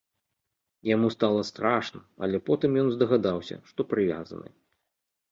Яму стала страшна, але потым ён здагадаўся, што прывязаны.